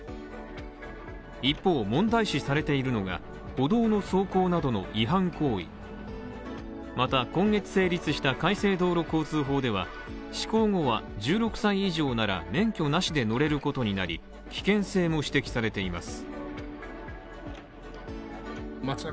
一方問題視されているのが、歩道の走行などの違反行為また今月成立した改正道路交通法では、施行後は１６歳以上なら免許なしで乗れることになり、危険性も指摘されています。